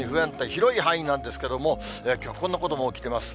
広い範囲なんですけれども、きょうはこんなことも起きてます。